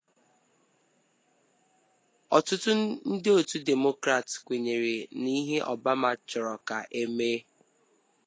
Ọtụtụ ndị otu Demokrat kwenyere n’ihe Obama chọrọ ka e mee